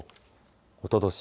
おととし